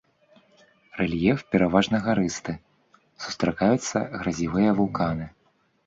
Рэльеф пераважна гарысты, сустракаюцца гразевыя вулканы.